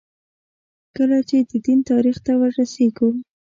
کله چې د دین تاریخ ته وررسېږو.